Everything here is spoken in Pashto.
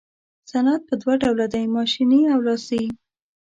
صنعت په دوه ډوله دی ماشیني او لاسي.